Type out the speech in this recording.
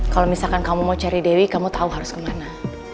kalau misalkan kamu mau cari dewi kamu tahu harus kemana